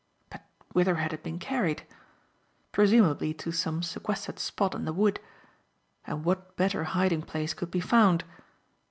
But whither had it been carried? Presumably to some sequestered spot in the wood. And what better hiding place could be found?